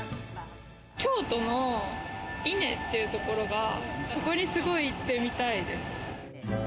京都の伊根っていうところが、ここにすごい行ってみたいです。